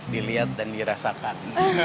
dilihat dan dirasakan